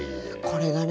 これがね